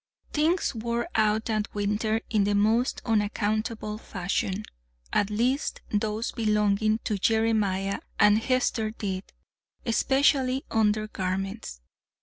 Things wore out that winter in the most unaccountable fashion at least those belonging to Jeremiah and Hester did, especially undergarments.